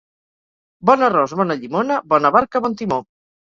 Bon arròs, bona llimona; bona barca, bon timó.